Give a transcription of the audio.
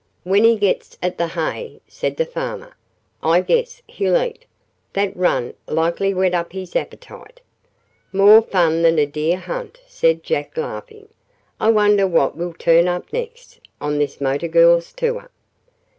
"When he gets at the hay," said the farmer, "I guess he'll eat. That run likely whet up his appetite." "More fun than a deer hunt," said Jack, laughing. "I wonder what will turn up next on this motor girls' tour."